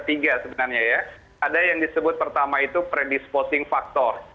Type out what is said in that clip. sebenarnya ya ada yang disebut pertama itu predisposting factor